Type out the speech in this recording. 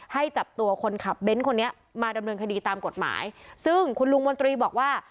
ให้จับตัวคนขับเบ้นคนนี้มาดำเนินคดีตามกฎหมายซึ่งคุณลุงมนตรีบอกว่า